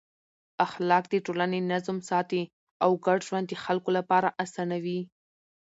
اخلاق د ټولنې نظم ساتي او ګډ ژوند د خلکو لپاره اسانوي.